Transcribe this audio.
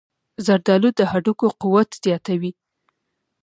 زردآلو د هډوکو قوت زیاتوي.